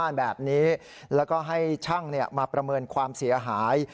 แบบนี้แล้วก็ให้ช่างมาประเมินความเสียหาย